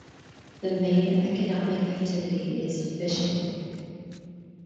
The main economic activity is fishing.